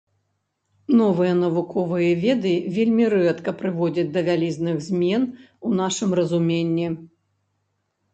Новыя навуковыя веды вельмі рэдка прыводзяць да вялізных змен у нашым разуменні.